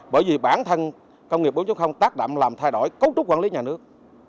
bởi vì bản thân công nghiệp bốn tác đạm làm thay đổi cấu trúc quản lý nhà nước